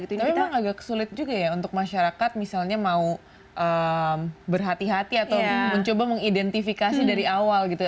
tapi itu agak sulit juga ya untuk masyarakat misalnya mau berhati hati atau mencoba mengidentifikasi dari awal gitu ya